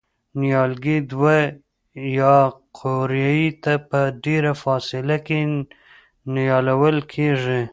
نیالګي دوه یمې قوریې ته په ډېره فاصله کې نیالول کېږي.